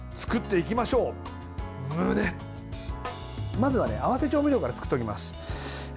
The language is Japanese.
まずは合わせ調味料から作っておきます。